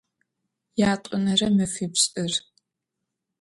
Ятӏонэрэ мэфипшӏыр.